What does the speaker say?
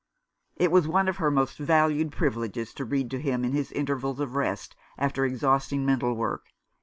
It was one of her most valued privileges to read to him in his intervals of rest after exhausting mental work.